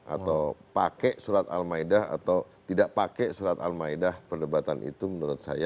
atau pakai surat al ma'idah atau tidak pakai surat al ma'idah perdebatan itu menurut saya